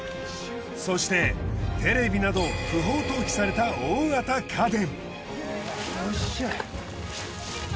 そしてテレビなど不法投棄された大型家電。